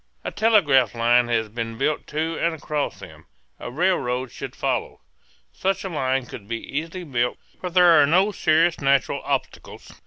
A telegraph line has been built to and across them. A rail road should follow. Such a line could be easily built, for there are no serious natural obstacles.